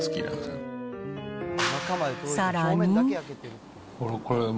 さらに。